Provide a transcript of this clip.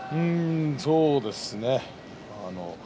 そうですね。